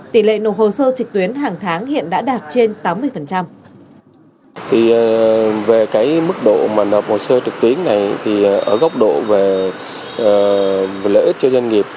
tỷ lệ nộp hồ sơ trực tuyến hàng tháng hiện đã đạt trên tám mươi